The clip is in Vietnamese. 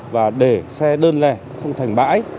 và để xe đơn lè không thành bãi